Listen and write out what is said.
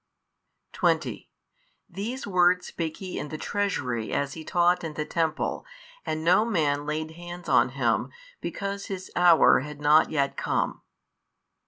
20 These words spake He in the Treasury as He taught in the Temple, and no man laid hands on Him, because His hour had not yet come.